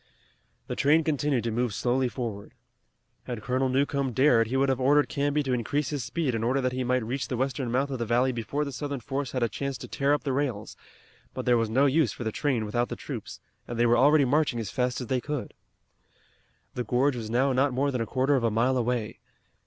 The train continued to move slowly forward. Had Colonel Newcomb dared he would have ordered Canby to increase his speed in order that he might reach the western mouth of the valley before the Southern force had a chance to tear up the rails, but there was no use for the train without the troops and they were already marching as fast as they could. The gorge was now not more than a quarter of a mile away.